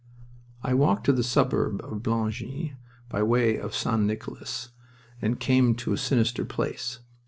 I walked to the suburb of Blangy by way of St. Nicolas and came to a sinister place.